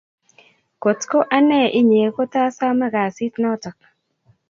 Kot ko ane inye kotasame kasit notok